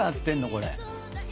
これ。